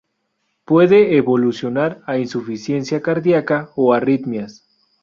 Puede evolucionar a insuficiencia cardiaca o arritmias.